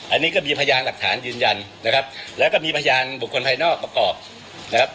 อันนี้ก็มีพยานหลักฐานยืนยันนะครับแล้วก็มีพยานบุคคลภายนอกประกอบนะครับ